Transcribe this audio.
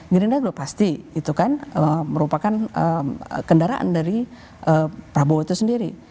gerindra sudah pasti itu kan merupakan kendaraan dari prabowo itu sendiri